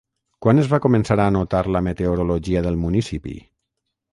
Quan es va començar a anotar la meteorologia del municipi?